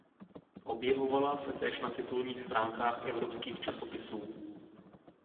Objevovala se též na titulních stránkách evropských časopisů.